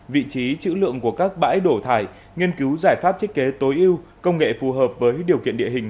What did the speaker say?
vị trí chữ lượng của các bãi đổ thải nghiên cứu giải pháp thiết kế tối ưu công nghệ phù hợp với điều kiện địa hình